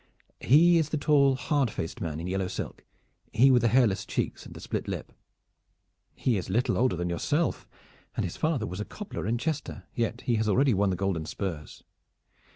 "He is the tall hard faced man in yellow silk, he with the hairless cheeks and the split lip. He is little older than yourself, and his father was a cobbler in Chester, yet he has already won the golden spurs.